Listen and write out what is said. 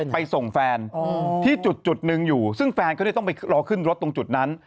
ไปส่งแฟนที่จุดหนึ่งอยู่ซึ่งแฟนก็เลยต้องไปรอขึ้นรถตรงจุดนั้น